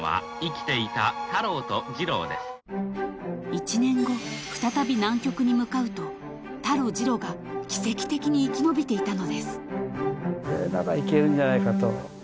［１年後再び南極に向かうとタロジロが奇跡的に生き延びていたのです］